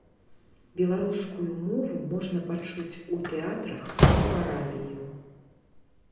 Беларускую мову можна пачуць у тэатрах і па радыё.